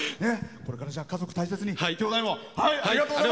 これから家族大切に。